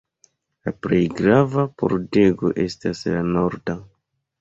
La plej grava pordego estas la norda.